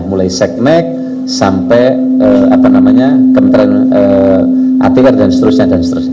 mulai seknek sampai kementerian atr dan seterusnya